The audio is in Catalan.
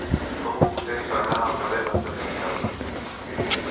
Com ho puc fer per anar al carrer d'Antonio Ricardos?